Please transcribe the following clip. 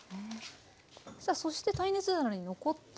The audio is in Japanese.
さあそして耐熱皿に残った。